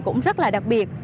cũng rất là đặc biệt